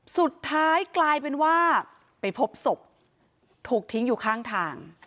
สุดท้ายกลายเป็นว่าไปพบศพถูกทิ้งอยู่ข้างทาง